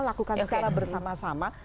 lakukan secara bersama sama